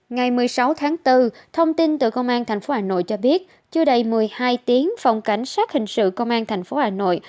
ngày một mươi sáu tháng bốn thông tin từ công an tp hà nội cho biết chưa đầy một mươi hai tiếng phòng cảnh sát hình sự công an tp hà nội